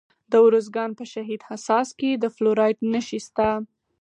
د ارزګان په شهید حساس کې د فلورایټ نښې شته.